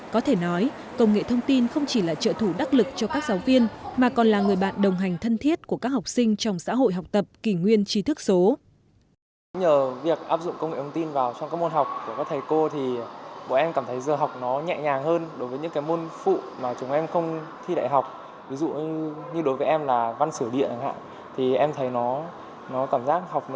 có thể nói công nghệ thông tin không chỉ là trợ thủ đắc lực cho các giáo viên mà còn là người bạn đồng hành thân thiết của các học sinh trong xã hội học tập kỷ nguyên trí thức số